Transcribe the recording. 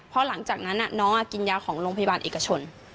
เพราะหลังจากนั้นน้องกินยาของโรงพยาบาลเอกชน